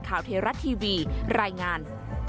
ข่าวเทียรัตน์ทีวีรายงาน